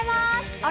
あれ？